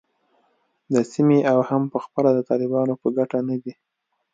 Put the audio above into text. د سیمې او هم پخپله د طالبانو په ګټه نه دی